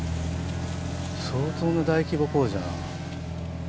相当な大規模工事だな。